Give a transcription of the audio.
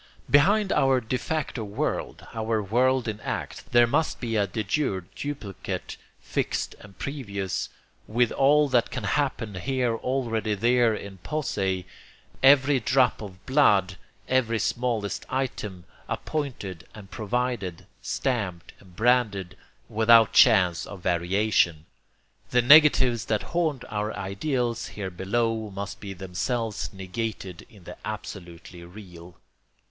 Behind our de facto world, our world in act, there must be a de jure duplicate fixed and previous, with all that can happen here already there in posse, every drop of blood, every smallest item, appointed and provided, stamped and branded, without chance of variation. The negatives that haunt our ideals here below must be themselves negated in the absolutely Real.